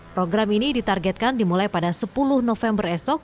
program ini ditargetkan dimulai pada sepuluh november esok